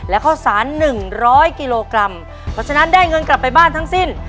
และข้าวสาร๑๐๐กิโลกรัมเพราะฉะนั้นได้เงินกลับไปบ้านทั้งสิ้น